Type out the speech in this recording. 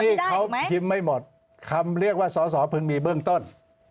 นี่เขาพิมพ์ไม่หมดคำเรียกว่าสอสอเพิ่งมีเบื้องต้น